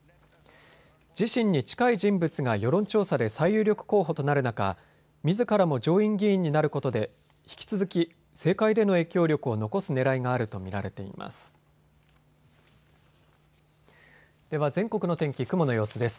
自身に近い人物が世論調査で最有力候補となる中みずからも上院議員になることで引き続き政界での影響力を残すねらいがあると見られています。